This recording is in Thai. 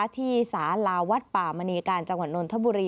ที่สาลาวัดป่ามณีการจังหวัดนนทบุรี